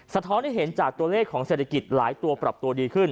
ท้อนให้เห็นจากตัวเลขของเศรษฐกิจหลายตัวปรับตัวดีขึ้น